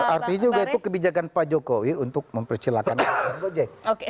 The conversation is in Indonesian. artinya juga itu kebijakan pak jokowi untuk mempercilahkan grab dan gojek